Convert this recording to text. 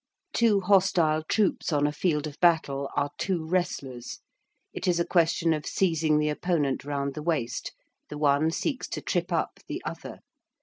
Two hostile troops on a field of battle are two wrestlers. It is a question of seizing the opponent round the waist. The one seeks to trip up the other.